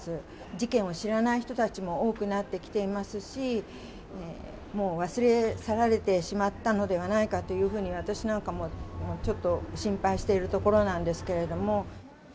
事件を知らない人たちも多くなってきていますし、もう忘れ去られてしまったのではないかというふうに私なんかもちょっと心配しているところなんですけれども。